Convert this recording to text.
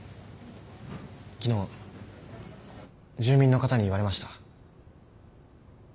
昨日住民の方に言われました。